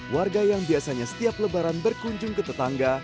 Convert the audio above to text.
warga yang biasanya setiap lebaran berkunjung ke tetangga